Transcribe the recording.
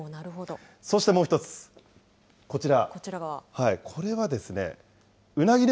そしてもう一つ、こちら。